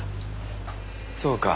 そうか。